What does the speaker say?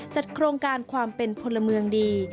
จัดโครงการความเป็นพลเมืองดี